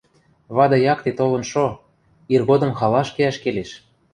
Вады якте толын шо, иргодым халаш кеӓш келеш.